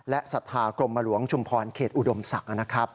และศัฒนากลมหลวงชุมพรงเขตอุดมสรรค์นะครับ